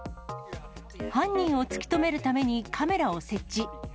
犯人を突き止めるためにカメラを設置。